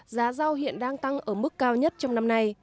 giá rau hiện đang tăng ở mức cao nhất trong năm nay